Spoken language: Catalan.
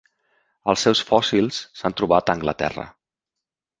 Els seus fòssils s'han trobat a Anglaterra.